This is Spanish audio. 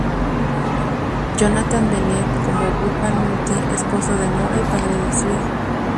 Jonathan Bennett como Bud McNulty, Esposo de Nora y padre de su hijo.